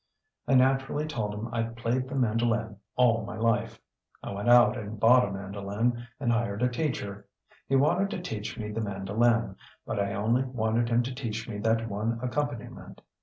I naturally told him I'd played the mandolin all my life. I went out and bought a mandolin and hired a teacher. He wanted to teach me the mandolin, but I only wanted him to teach me that one accompaniment.